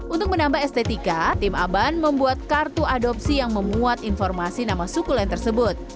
untuk menambah estetika tim aban membuat kartu adopsi yang memuat informasi nama sukulen tersebut